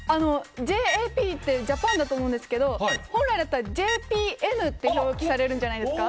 ＪＡＰってＪＡＰＡＮだと思うんですけど、本来だったら、ＪＰＭって表記されるんじゃないですか。